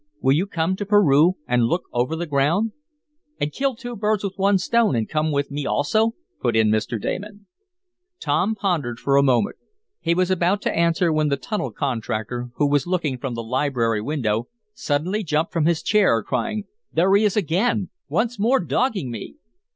Will you come to Peru and look over the ground?" "And kill two birds with one stone, and come with me also?" put in Mr. Damon. Tom pondered for a moment. He was about to answer when the tunnel contractor, who was looking from the library window, suddenly jumped from his chair crying: "There he is again! Once more dogging me!"